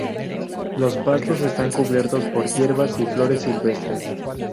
Los pastos están cubiertos por hierbas y flores silvestres.